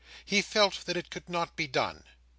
He felt that it could not be done.